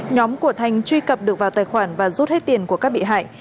nhóm của thành truy cập được vào tài khoản và rút hết tiền của các bị hại